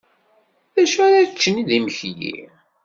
D acu ara ččen d imekli?